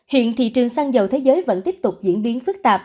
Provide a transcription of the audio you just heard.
hiện thị trường xăng dầu thế giới vẫn tiếp tục diễn biến phức tạp